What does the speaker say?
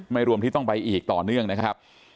รวมที่ต้องไปอีกต่อเนื่องนะครับ